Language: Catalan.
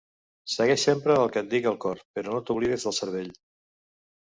Segueix sempre el que et diga el cor, però no t'oblides del cervell.